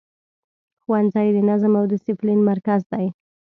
ښوونځی د نظم او دسپلین مرکز دی.